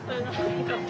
よかった。